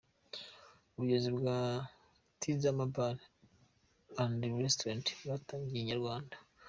Ubuyobozi bwa Tizama Bar and Restaurant bwatangarije Inyarwanda.